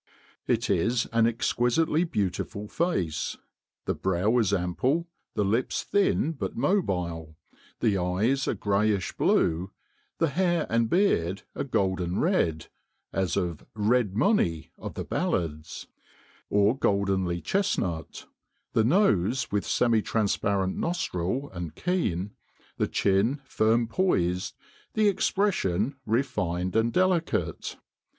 It is an exquisitely beautiful face. The brow is ample, the lips thin but mobile, the eyes a grayish blue, the hair and beard a golden red (as of 'red monie' of the ballads) or goldenly chestnut, the nose with semi transparent nostril and keen, the chin firm poised, the expression refined and delicate.